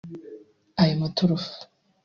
Ayo maturufu